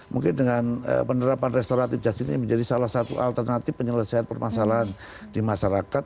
mungkin dengan penerapan restoratif justice ini menjadi salah satu alternatif penyelesaian permasalahan di masyarakat